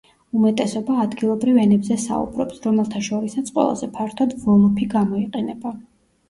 უმეტესობა ადგილობრივ ენებზე საუბრობს, რომელთა შორისაც ყველაზე ფართოდ ვოლოფი გამოიყენება.